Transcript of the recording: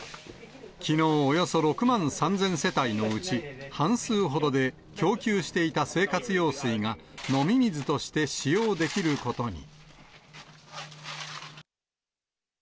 きのう、およそ６万３０００世帯のうち、半数ほどで供給していた生活用水が飲み水として使用できることに。